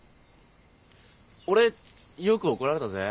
俺よく怒られたぜ。